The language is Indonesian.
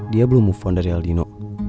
dia belum move on dari aldino